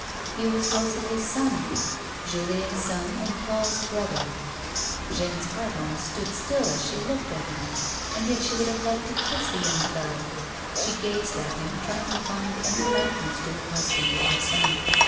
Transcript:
He was Rosalie's son — Julien's son and Paul's brother. Jeanne's heart almost stood still as she looked at him, and yet she would have liked to kiss the young fellow. She gazed at him, trying to find any likeness to her husband or her son.